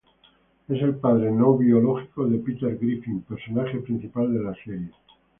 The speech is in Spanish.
Es el padre no biológico de Peter Griffin, personaje principal de la serie.